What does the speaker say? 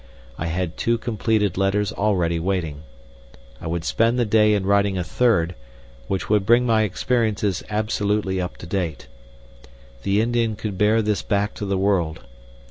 I had two completed letters already waiting. I would spend the day in writing a third, which would bring my experiences absolutely up to date. The Indian could bear this back to the world.